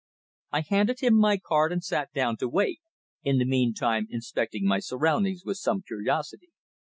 I handed him my card and sat down to wait, in the meanwhile inspecting my surroundings with some curiosity.